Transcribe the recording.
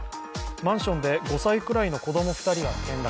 マンションで５歳くらいの子ども２人が転落。